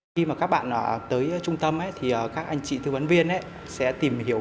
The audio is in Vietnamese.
khi các bạn tới trung tâm các anh chị thư vấn viên sẽ tìm hiểu